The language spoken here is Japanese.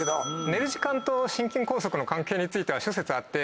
寝る時間と心筋梗塞の関係については諸説あって。